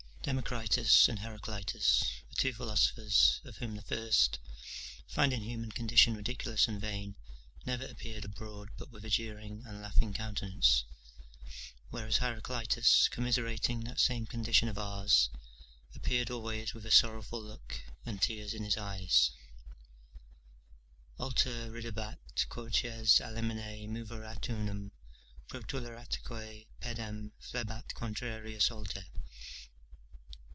Democritus and Heraclitus were two philosophers, of whom the first, finding human condition ridiculous and vain, never appeared abroad but with a jeering and laughing countenance; whereas Heraclitus commiserating that same condition of ours, appeared always with a sorrowful look, and tears in his eyes: "Alter Ridebat, quoties a limine moverat unum Protuleratque pedem; flebat contrarius alter."